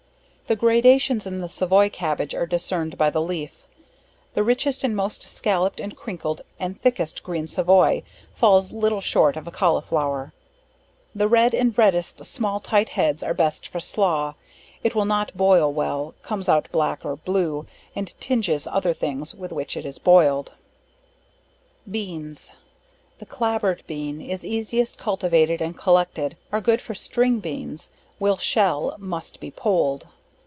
The gradations in the Savoy Cabbage are discerned by the leaf; the richest and most scollup'd, and crinkled, and thickest Green Savoy, falls little short of a Colliflour. The red and redest small tight heads, are best for slaw, it will not boil well, comes out black or blue, and tinges, other things with which it is boiled. BEANS. The Clabboard Bean, is easiest cultivated and collected, are good for string beans, will shell must be poled.